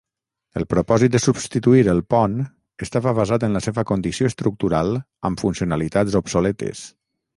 El propòsit de substituir el pon estava basat en la seva condició estructural amb funcionalitats obsoletes.